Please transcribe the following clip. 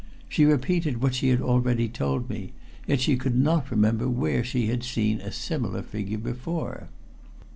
She repeated what she had already told me, yet she could not remember where she had seen a similar figure before.